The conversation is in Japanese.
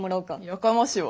やかましいわ。